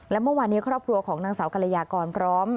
และเมื่อวานนี้ครอบครัวของนางสาวกรยากรพร้อม